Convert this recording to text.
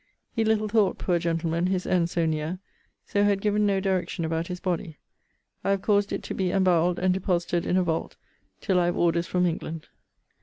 He little thought, poor gentleman! his end so near: so had given no direction about his body. I have caused it to be embowelled, and deposited in a vault, till I have orders from England.